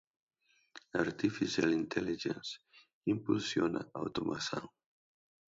Artificial Intelligence (AI) impulsiona a automação.